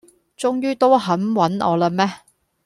終於都肯搵我喇咩